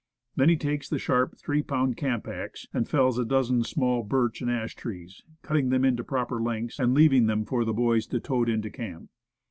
Then he takes the sharp three pound camp axe, and fells a dozen small birch and ash trees, cutting them into proper lengths and leaving them for the boys to tote into camp.